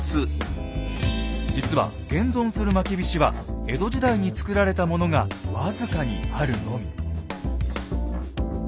実は現存するまきびしは江戸時代に作られたものが僅かにあるのみ。